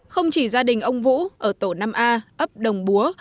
không chỉ gia đình ông vũ ở tổ năm a ấp đồng búa